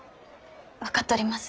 分かっとります。